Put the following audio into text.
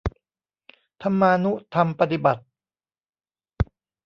ธรรมานุธรรมปฏิบัติ